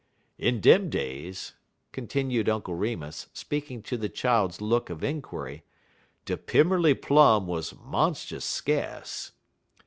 "In dem days," continued Uncle Remus, speaking to the child's look of inquiry, "de Pimmerly Plum wuz monst'us skace.